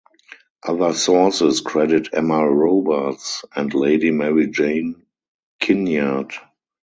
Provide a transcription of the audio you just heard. Other sources credit Emma Robarts and Lady Mary Jane Kinnaird.